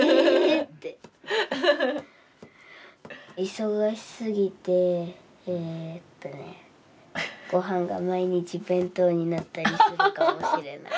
忙しすぎてごはんが毎日弁当になったりするかもしれない。